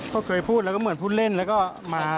ก็เคยพูดแล้วก็เหมือนพูดเล่นแล้วก็มา